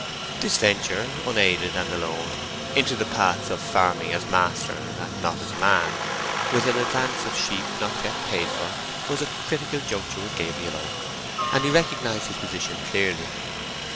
This venture, unaided and alone, into the paths of farming as master and not as man, with an advance of sheep not yet paid for, was a critical juncture with Gabriel Oak, and he recognised his position clearly.